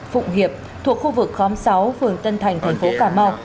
phụng hiệp thuộc khu vực khóm sáu phường tân thành thành phố cà mau